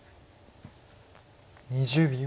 ２０秒。